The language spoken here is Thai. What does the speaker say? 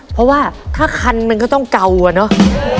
เพราะว่าถ้าคันมันก็ต้องเก่าอะเนาะ